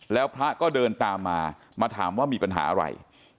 แล้วพระก็เดินตามมามาถามว่ามีปัญหาอะไร